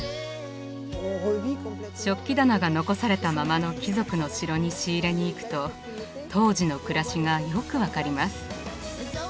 食器棚が残されたままの貴族の城に仕入れに行くと当時の暮らしがよく分かります。